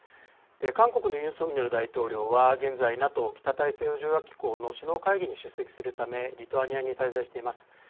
韓国のユン・ソンニョル大統領は現在、ＮＡＴＯ・北大西洋条約機構の首脳会議に出席するためリトアニアに滞在しています。